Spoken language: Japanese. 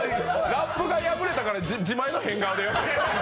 ラップが破れたから自前の変顔。